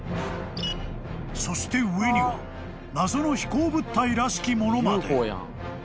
［そして上には謎の飛行物体らしきものまで］